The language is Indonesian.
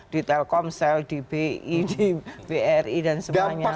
di telkomsel di bi di bri dan semuanya